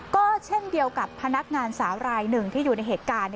ก็เช่นเดียวกับพนักงานสาวรายหนึ่งที่อยู่ในเหตุการณ์